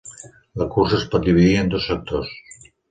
La cursa es pot dividir en dos sectors.